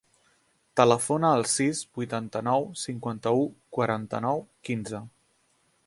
Telefona al sis, vuitanta-nou, cinquanta-u, quaranta-nou, quinze.